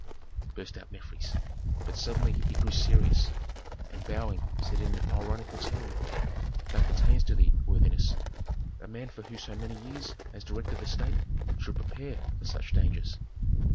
burst out Mefres, but suddenly he grew serious and bowing said in an ironical tone, "That pertains to thee, worthiness. A man who for so many years has directed the state should prepare for such dangers."